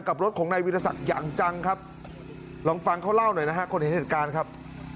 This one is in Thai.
กับรถของนายวิทยาศักดิ์อย่างจังครับลองฟังเขาเล่าหน่อยนะครับ